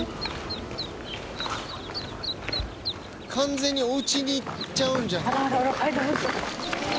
完全にお家に行っちゃうんじゃない？